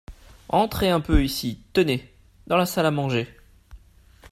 Entrez un peu ici, tenez, dans la salle à manger.